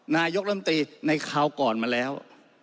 นายกรรมตรีในคราวก่อนมาแล้ว